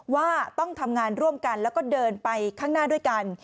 ว่าต้องทำงานร่วมกันแล้วก็เดินไปข้างหน้าด้วยกัน